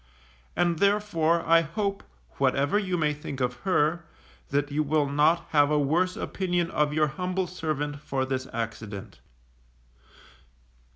And therefore I hope, whatever you may think of her, that you will not have a worse opinion of your humble servant for this accident.